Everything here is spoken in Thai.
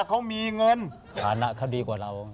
เขามีเงินฐานะเขาดีกว่าเรา